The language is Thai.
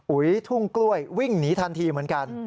ทุ่งกล้วยวิ่งหนีทันทีเหมือนกัน